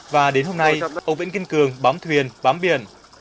và đến hôm nay âu vẫn kiên cường bám thuyền bám biển